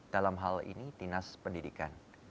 dalam hal ini dinas pendidikan